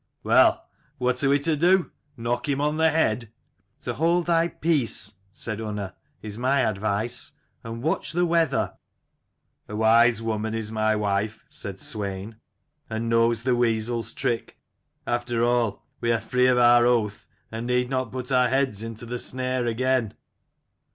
"Well, what are we to do ? Knock him on the head?" "To hold thy peace," said Unna, "is my advice : and watch the weather." "A wise woman is my wife," said Swein, " and knows the weasel's trick. After all, we are free of our oath, and need not put our heads into the snare again."